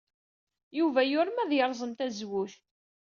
Yuba yurem ad yerẓem tazewwut.